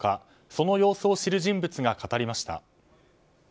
その様子を知る人物が語りました。